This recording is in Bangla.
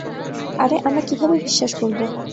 আরে আমরা কিভাবে বিশ্বাস করব?